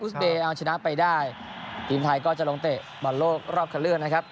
สเบย์เอาชนะไปได้ทีมไทยก็จะลงเตะบอลโลกรอบคันเลือกนะครับ